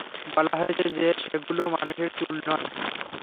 বলা হয়েছে যে সেগুলো মানুষের চুল নয়।